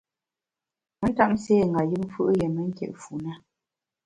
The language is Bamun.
Me ntap nségha yùm fù’ yié me nkit fu ne.